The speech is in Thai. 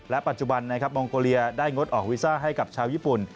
ปัจจุบันนะครับมองโกเลียได้งดออกวีซ่าให้กับชาวญี่ปุ่น